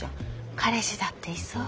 彼氏だっていそうだし。